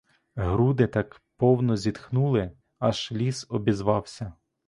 Груди так повно зітхнули, аж ліс обізвався.